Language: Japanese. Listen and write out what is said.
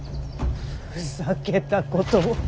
ふざけたことを。